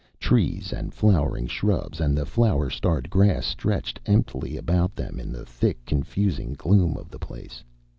Trees and flowering shrubs and the flower starred grass stretched emptily about them in the thick, confusing gloom of the place.